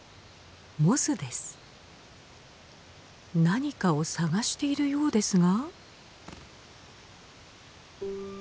何かを探しているようですが？